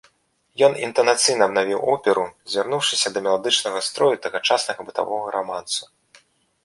Ён інтанацыйна абнавіў оперу, звярнуўшыся да меладычнага строю тагачаснага бытавога раманса.